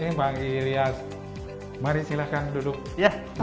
selamat pagi pak ahmad